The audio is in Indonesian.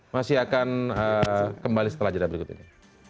masih akan kembali setelah jeda berikut ini